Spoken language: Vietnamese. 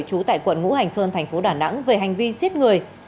trú tại quận ngũ hành sơn tp đà nẵng về hành vi giết người